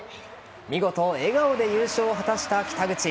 見事、笑顔で優勝を果たした北口。